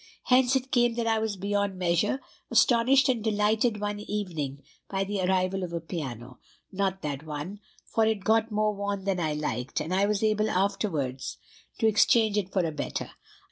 Hence it came that I was beyond measure astonished and delighted one evening by the arrival of a piano, not that one, for it got more worn than I liked, and I was able afterwards to exchange it for a better.